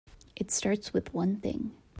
It starts with one thing.